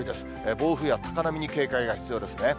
暴風や高波に警戒が必要ですね。